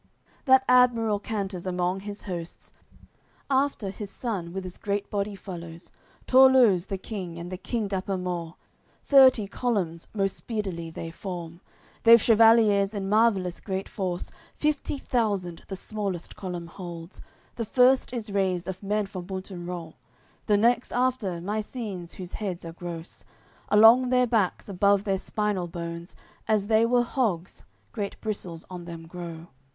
CCXXXII That admiral canters among his hosts; After, his son with's great body follows, Torleus the king, and the king Dapamort; Thirty columns most speedily they form. They've chevaliers in marvellous great force; Fifty thousand the smallest column holds. The first is raised of men from Butenrot, The next, after, Micenes, whose heads are gross; Along their backs, above their spinal bones, As they were hogs, great bristles on them grow.